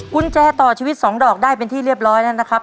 กุญแจต่อชีวิต๒ดอกได้เป็นที่เรียบร้อยแล้วนะครับ